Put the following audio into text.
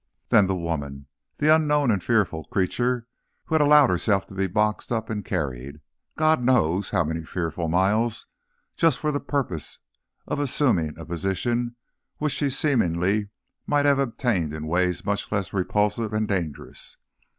Then the woman, the unknown and fearful creature who had allowed herself to be boxed up and carried, God knows, how many fearful miles, just for the purpose of assuming a position which she seemingly might have obtained in ways much less repulsive and dangerous!